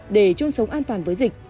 để chung sống an toàn với dịch